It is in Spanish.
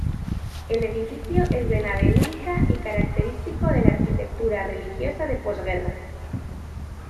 El edificio es de nave única y característico de la arquitectura religiosa de postguerra.